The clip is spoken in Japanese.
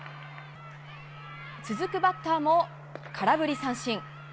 続くバッターも空振り三振。